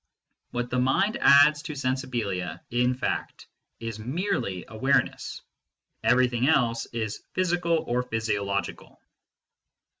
What the mind adds to sensibilia, in fact, is merely awareness : everything else is physical or physio logical.